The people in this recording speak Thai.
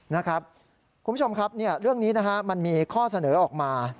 คุณผู้ชมครับเรื่องนี้นะฮะมันมีข้อเสนอออกมา